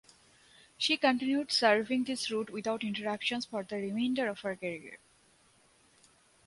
She continued serving this route without interruptions for the remainder of her career.